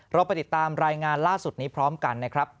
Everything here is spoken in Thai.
เราไปติดตามรายงานล่าสุดนี้พร้อมกันนะครับ